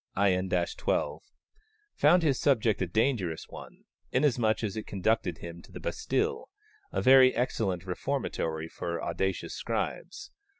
in 12) found his subject a dangerous one, inasmuch as it conducted him to the Bastille, a very excellent reformatory for audacious scribes.